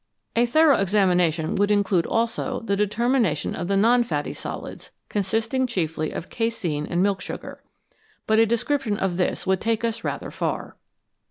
A thorough examination would include also the determination of the non fatty solids, consisting chiefly of casein and milk sugar ; but a description of this would take us rather far.